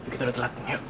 kita udah telat yuk